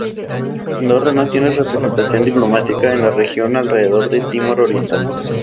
Andorra no tiene representación diplomática en la región alrededor de Timor Oriental.